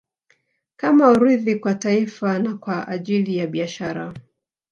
Kama urithi kwa taifa na kwa ajili ya Biashara